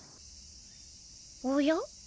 おや？